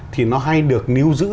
thì nó hay được níu giữ